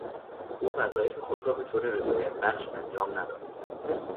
او وظایف خود را به طور رضایت بخش انجام نداد.